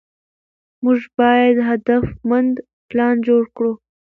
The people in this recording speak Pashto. موږ باید هدفمند پلان جوړ کړو.